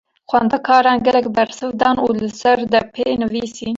Xwendekaran gelek bersiv dan û li ser depê nivîsîn.